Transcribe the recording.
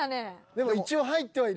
でも一応入ってはいる。